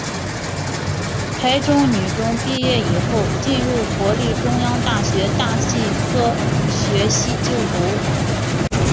台中女中毕业以后进入国立中央大学大气科学系就读。